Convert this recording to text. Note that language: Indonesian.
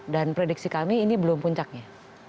dan prediksi kami ini belum puncaknya